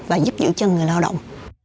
và giúp giữ cho người lao động